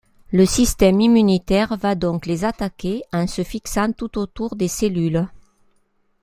Le système immunitaire va donc les attaquer en se fixant tout autour des cellules.